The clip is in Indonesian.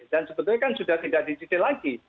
dan sebetulnya kan sudah tidak dicicil lagi